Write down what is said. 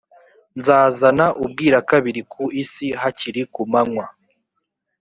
nzazana ubwirakabiri ku isi hakiri ku manywa